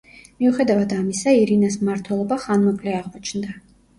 მიუხედავად ამისა, ირინას მმართველობა ხანმოკლე აღმოჩნდა.